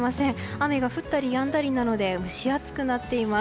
雨が降ったりやんだりなので蒸し暑くなっています。